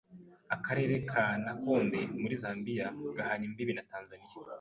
Akarere ka Nakonde muri Zambia gahana imbibi na Tanzania,